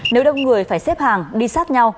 nếu đông người phải xếp hàng đi sát nhau